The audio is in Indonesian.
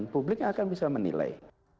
publik akan bisa menilai